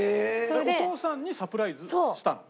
お父さんにサプライズしたの？